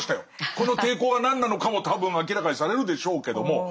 この抵抗が何なのかも多分明らかにされるでしょうけども。